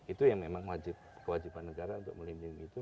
itu ya memang wajib kewajiban negara untuk melindungi itu